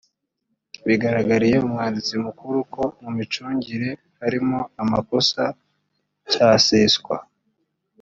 bigaragariye umwanditsi mukuru ko mu micungire harimo amakosa cyaseswa